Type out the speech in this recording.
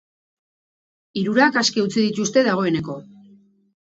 Hirurak aske utzi dituzte dagoeneko.